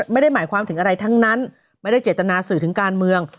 ไม่ได้หมายความถึงอะไรทั้งนั้นไม่ได้เจตนาสื่อถึงการเมือง